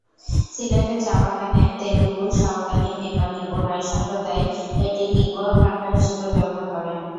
সিলেটের চা-বাগানে তেলুগু, সাঁওতালি, নেপালি ও রাই সম্প্রদায় এটি লিঙ্গুয়া ফ্রাঙ্কা হিসেবে ব্যবহার করে।